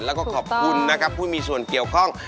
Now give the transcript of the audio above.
แล้วก็ขอบคุณนะครับผู้มีส่วนเกี่ยวข้อง